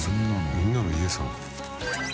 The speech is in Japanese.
「みんなの家様」